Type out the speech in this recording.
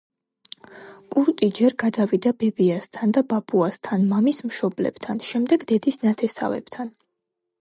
კურტი ჯერ გადავიდა ბებიასთან და ბაბუასთან, მამის მშობლებთან, შემდეგ დედის ნათესავებთან.